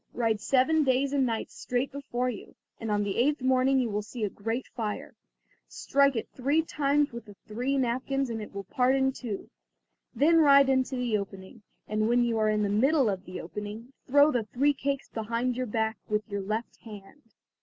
Ride seven days and nights straight before you, and on the eighth morning you will see a great fire. Strike it three times with the three napkins and it will part in two. Then ride into the opening, and when you are in the middle of the opening, throw the three cakes behind your back with your left hand."